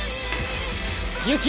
ユキ！